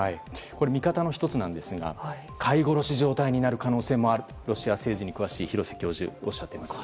見方の１つなんですが飼い殺し状態になるかもしれないとロシア政治に詳しい廣瀬教授がおっしゃっています。